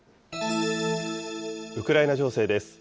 ウクライナ情勢です。